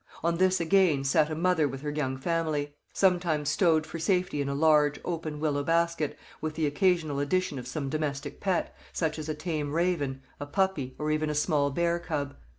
On this, again, sat a mother with her young family, sometimes stowed for safety in a large, open, willow basket, with the occasional addition of some domestic pet such as a tame raven, a puppy, or even a small bear cub.